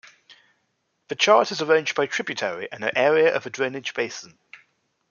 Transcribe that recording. The chart is arranged by tributary and area of the drainage basin.